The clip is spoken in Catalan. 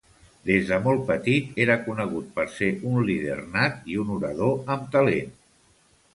Des de molt petit, era conegut per ser un líder nat i un orador amb talent.